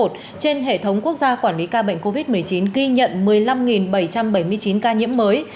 trên hệ thống quốc gia quản lý ca bệnh covid một mươi chín ghi nhận một mươi năm bảy trăm bảy mươi chín ca nhiễm mới